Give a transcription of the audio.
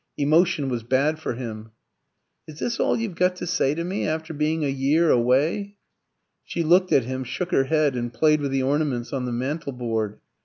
Emotion was bad for him. "Is this all you've got to say to me, after being a year away?" She looked at him, shook her head, and played with the ornaments on the mantel board.